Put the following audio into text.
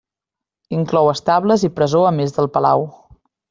Inclou estables i presó a més del palau.